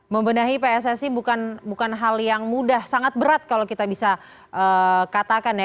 membenahi pssi bukan hal yang mudah sangat berat kalau kita bisa katakan ya